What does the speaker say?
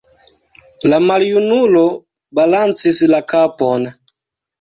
La maljunulo balancis la kapon.